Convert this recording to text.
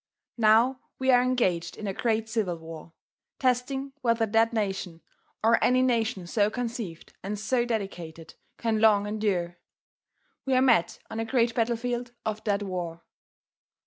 Now we are engaged in a great civil war. . .testing whether that nation, or any nation so conceived and so dedicated. .. can long endure. We are met on a great battlefield of that war.